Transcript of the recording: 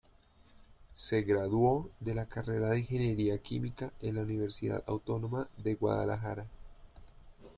Se graduó de la carrera de Ingeniería Química en la Universidad Autónoma de Guadalajara.